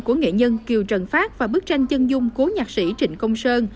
của nghệ nhân kiều trần pháp và bức tranh chân dung của nhạc sĩ trịnh công sơn